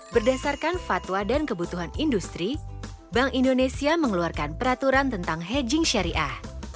berdasarkan fatwa dan kebutuhan industri bank indonesia mengeluarkan peraturan tentang hedging syariah